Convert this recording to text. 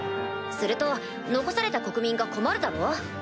すると残された国民が困るだろ？